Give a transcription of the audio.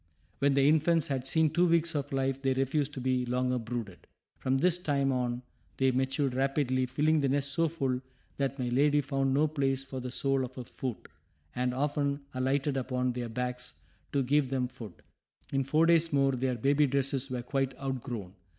When the infants had seen two weeks of life they refused to be longer brooded. From this time on they matured rapidly, filling the nest so full that my lady found no place for the sole of her foot, and often alighted upon their backs to give them food. In four days more their baby dresses were quite outgrown.